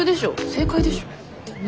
正解でしょ。ね？